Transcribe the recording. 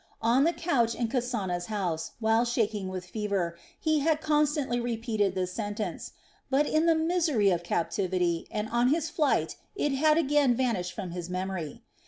On the couch in Kasana's house, while shaking with fever, he had constantly repeated this sentence; but in the misery of captivity, and on his flight it had again vanished from his memory.